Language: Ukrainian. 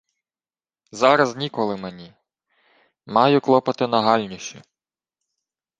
— Зараз ніколи мені... Маю клопоти нагальніші...